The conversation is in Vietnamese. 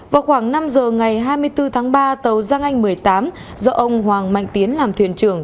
vào khoảng năm giờ ngày hai mươi bốn tháng ba tàu giang anh một mươi tám do ông hoàng mạnh tiến làm thuyền trưởng